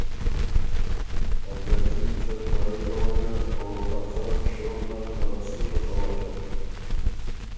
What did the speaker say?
ا برکي که څۀ ته رئ په وجه او ا څۀ شور نر ته سُوڒه په وجه